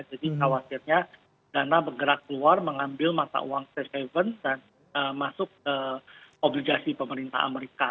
jadi khawatirnya dana bergerak keluar mengambil mata uang fed fund dan masuk ke obligasi pemerintah amerika